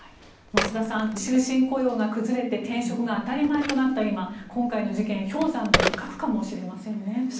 増田さん終身雇用が崩れて転職が当たり前となった今今回の事件氷山の一角かもしれませんね。